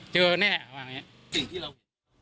เจอแน่อ่ะว่างนี้